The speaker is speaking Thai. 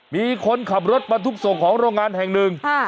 มีคนขับรถบรรทุกส่งของโรงงานแห่งหนึ่ง